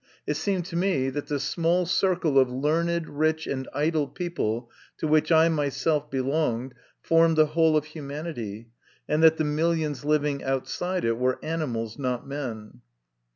It seemed to me that the small circle of learned, rich, and idle people, to which I myself belonged, formed the whole of humanity, and that the millions living outside it were animals, not men.